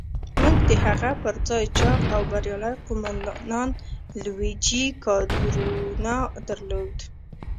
موږ د هغه پر ځای چاغ او بریالی قوماندان لويجي کادورنا درلود.